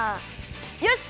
よし！